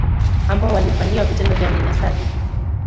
ambao walifanyiwa vitendo vya unyanyasaji